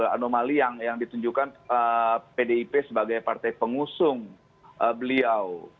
anomali yang ditunjukkan pdip sebagai partai pengusung beliau